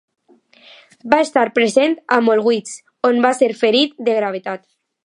Va estar present a Mollwitz, on va ser ferit de gravetat.